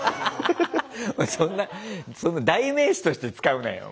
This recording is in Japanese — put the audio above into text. そんなそんな代名詞として使うなよ。